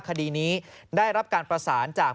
คดีนี้ได้รับการประสานจาก